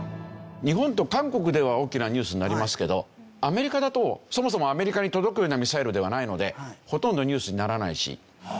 日本と韓国では大きなニュースになりますけどアメリカだとそもそもアメリカに届くようなミサイルではないのでほとんどニュースにならないし。